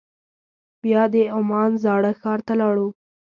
بیا د عمان زاړه ښار ته لاړو.